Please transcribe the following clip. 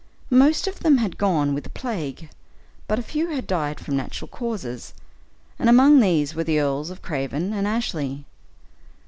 Most of them had gone with the plague, but a few had died from natural causes, and among these were the Earls of Craven and Ashley.